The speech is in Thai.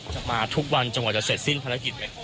จะมาทุกวันจนกว่าจะเสร็จสิ้นภารกิจไหม